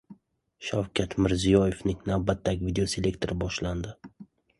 Shavkat Mirziyoyevning navbatdagi videoselektori boshlandi